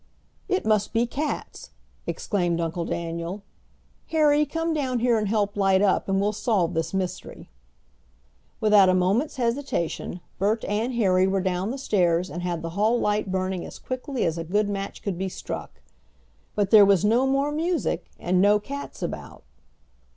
"It must be cats!" exclaimed Uncle Daniel. "Harry, come down here and help light up, and we'll solve this mystery." Without a moment's hesitation Bert and Harry were down the stairs and had the hall light burning as quickly as a good match could be struck. But there was no more music and no cats about.